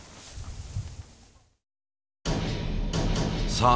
さあ